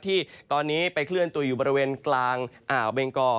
ที่ตอนนี้ไปเคลื่อนตัวอยู่บริเวณกลางอ่าวเบงกอ